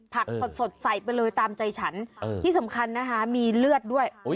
ผักสดใส่ไปเลยตามใจฉันที่สำคัญแล้วด้วย